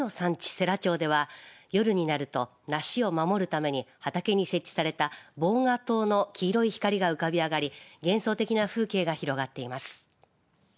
世羅町では夜になると梨を守るために畑に設置された防蛾灯の黄色い光が浮かび上がり幻想的な風景が広がっています。